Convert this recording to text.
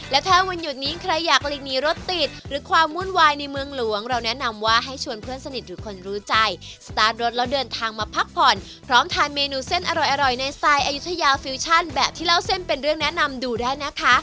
และถ้าวันหยุดนี้ใครอยากหลีกหนีรถติดหรือความวุ่นวายในเมืองหลวงเราแนะนำว่าให้ชวนเพื่อนสนิทหรือคนรู้ใจสตาร์ทรถแล้วเดินทางมาพักผ่อนพร้อมทานเมนูเส้นอร่อยในสไตล์อายุทยาฟิวชั่นแบบที่เล่าเส้นเป็นเรื่องแนะนำดูได้นะคะ